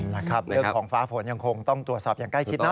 เรื่องของฟ้าฝนยังคงต้องตัวสับอย่างใกล้คิดนะ